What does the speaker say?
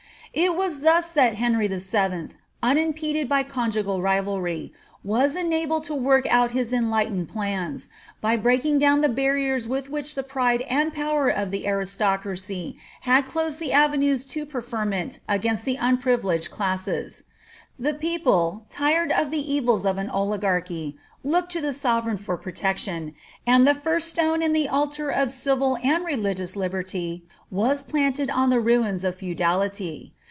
It was thus that Henry VH., unimpeded by conjugal rivalry, was enabled to work out his enlightened plans, by breaking down the bar riers with which the pride and power of the aristocracy had closed the ifeoues to preferment against the unprivileged classes. The people, tired of the evils of an oligarchy, looked to the sovereign for protec tion, and the first stone in the altar of civil and religious liberty was planted on the ruins of feudality.